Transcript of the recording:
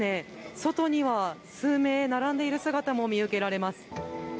外には数名、並んでいる姿も見受けられます。